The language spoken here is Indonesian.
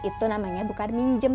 itu namanya bukan minjem